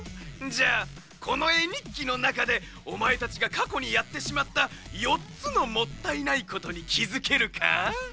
じゃあこのえにっきのなかでおまえたちがかこにやってしまった４つのもったいないことにきづけるか？